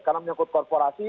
karena menyangkut korporasi